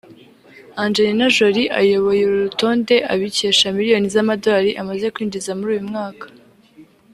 Angelina Jolie ayoboye uru rutonde abikesha miliyoni z’amadolari amaze kwinjiza muri uyu mwaka